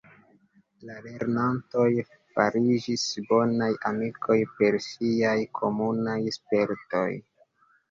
La lernantoj fariĝis bonaj amikoj per siaj komunaj spertoj.